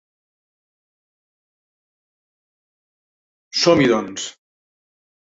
Som-hi doncs!